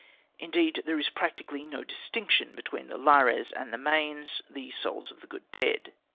Indeed, there is practically no distinction between the Lares and the Manes, the souls of the good dead.